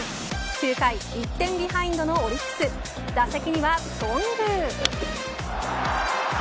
９回、１点ビハインドのオリックス打席には頓宮。